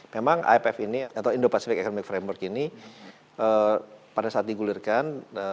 memang ipf ini atau indo pacific economic framework ini pada saat digulirkan